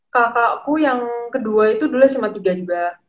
kakakku yang kedua itu dulu sma tiga juga